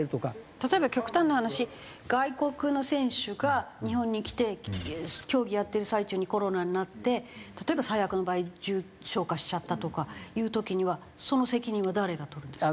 例えば極端な話外国の選手が日本に来て競技やってる最中にコロナになって例えば最悪の場合重症化しちゃったとかいう時にはその責任は誰が取るんですか？